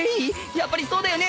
やっぱりそうだよね。